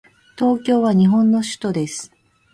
東京は日本の首都です。